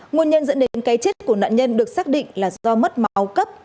nguồn nhân dẫn đến cái chết của nạn nhân được xác định là do mất máu cấp